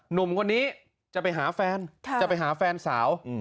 หนุ่มคนนี้จะไปหาแฟนจะไปหาแฟนสาว